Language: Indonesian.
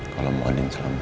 kalau mau adin selamat